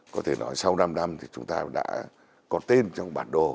có thể nói sau năm năm thì chúng ta đã có tên trong bản đồ